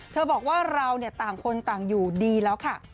บอกว่าเราต่างคนต่างอยู่ดีแล้วค่ะ